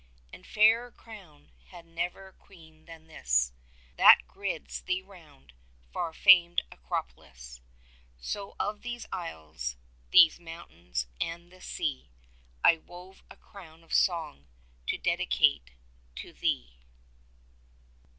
20 And fairer crown had never queen than this That girds thee round, far famed Acropolis! So of these isles, these mountains, and this sea, I wove a crown of song to dedicate to thee.